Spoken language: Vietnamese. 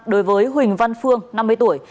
đối với huỳnh văn phương năm mươi tuổi